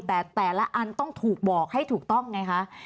แต่แต่ละอันต้องถูกบอกให้ถูกต้องไงคะ